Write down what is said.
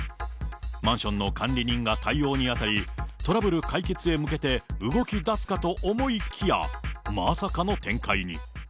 マンションの管理人が対応に当たり、トラブル解決へ向けて、動きだすかと思いきや、まさかの展開に。